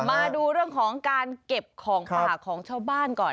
มาดูเรื่องของการเก็บของป่าของชาวบ้านก่อน